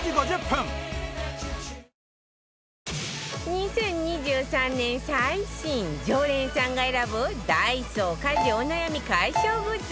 ２０２３年最新常連さんが選ぶダイソー家事お悩み解消グッズ